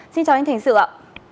xin chào anh thành sự ạ